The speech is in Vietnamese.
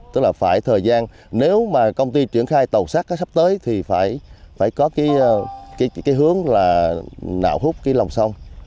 tức là phải thời gian nếu mà công ty triển khai tàu sắt sắp tới thì phải có cái hướng là nạo hút cái lòng sông